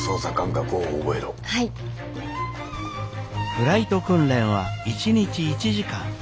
フライト訓練は一日１時間。